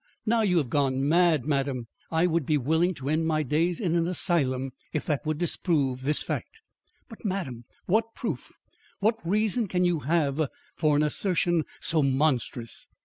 Now you have gone mad, madam." "I would be willing to end my days in an asylum if that would disprove this fact." "But, madam, what proof what reason can you have for an assertion so monstrous?"